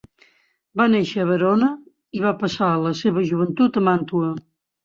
Va néixer a Verona i va passar la seva joventut a Màntua.